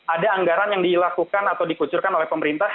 ada anggaran yang dilakukan atau dikucurkan oleh pemerintah